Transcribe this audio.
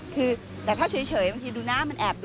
คือแต่ถ้าเฉยบางทีดูหน้ามันแอบดู